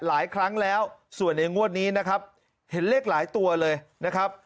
หลายครั้งแล้วส่วนในงวดนี้นะครับเห็นเลขหลายตัวเลยนะครับ